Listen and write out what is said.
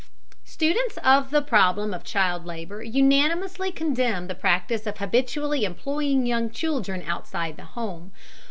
Students of the problem of child labor unanimously condemn the practice of habitually employing young children outside the home.